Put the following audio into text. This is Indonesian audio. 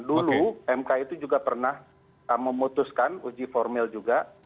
dulu mk itu juga pernah memutuskan uji formil juga